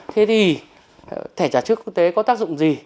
thế thì thẻ trả trước quốc tế có tác dụng gì